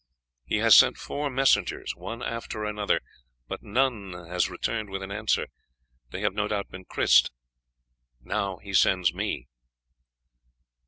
He has sent four messengers one after another, but none have returned with an answer; they have no doubt been krised. Now he sends me."